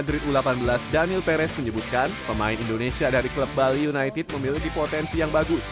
dan dari sisi atletico madrid u delapan belas daniel perez menyebutkan pemain indonesia dari klub bali united memiliki potensi yang bagus